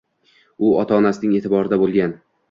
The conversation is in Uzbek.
u ota-onasining eʼtiborida bo‘lgan